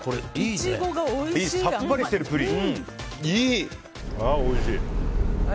さっぱりしてるプリン。